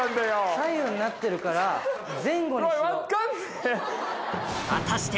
左右になってるから前後。